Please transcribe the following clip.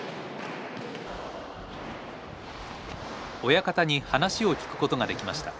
親方に話を聞くことができました。